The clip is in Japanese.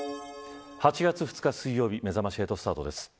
８月２日水曜日めざまし８スタートです。